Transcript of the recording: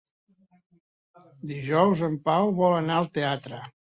Dijous en Pau vol anar al teatre.